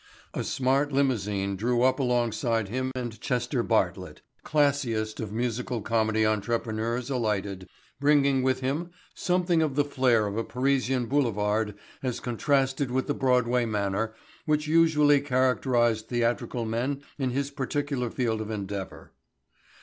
A smart limousine drew up alongside him and Chester Bartlett, "classiest" of musical comedy entrepreneurs alighted, bringing with him something of the flair of a Parisian boulevard as contrasted with the Broadway manner which usually characterized theatrical men in his particular field of endeavor.